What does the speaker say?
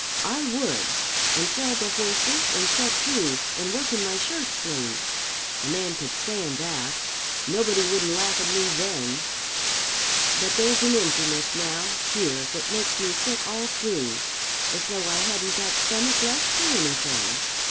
I would, and sell the horses and set to and work in my shirt sleeves. A man could stand that. Nobody wouldn't laugh at me then. But there's an emptiness now here that makes me sick all through, as though I hadn't got stomach left for anything."